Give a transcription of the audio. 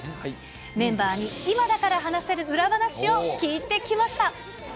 メンバーに今だから話せる裏話を聞いてきました。